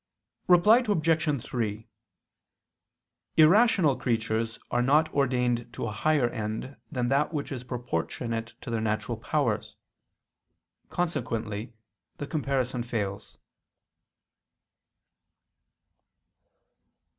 Reply Obj. 3: Irrational creatures are not ordained to an end higher than that which is proportionate to their natural powers: consequently the comparison fails.